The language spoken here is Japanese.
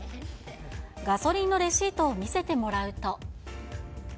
ガソリンのレシートを見せてもらうと。